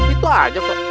itu aja pak